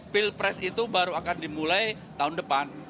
pilpres itu baru akan dimulai tahun depan